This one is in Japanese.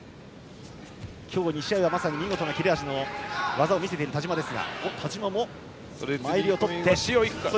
今日、２試合はまさに見事な切れ味の技を見せた田嶋です。